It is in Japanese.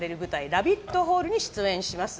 「ラビット・ホール」に出演します。